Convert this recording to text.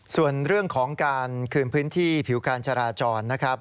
ส่วนเรื่องของการคืนพื้นที่ผิวการจราจรนะครับ